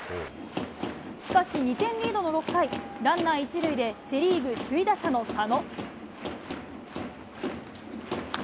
しかし２点リードの６回、ランナー１塁で、セ・リーグ首位打者の佐野。